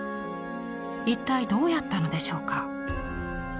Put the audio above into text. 一体どうやったのでしょうか。